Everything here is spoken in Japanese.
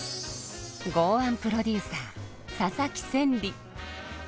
豪腕プロデューサー佐々木千里。